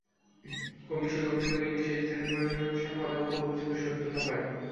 Commission অভিযোগের বিষয়ে স্থানীয় প্রশাসনের সঙ্গে কথা বলে অভিযোগের সত্যতা পায়।